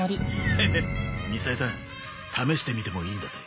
ヘヘッみさえさん試してみてもいいんだぜ。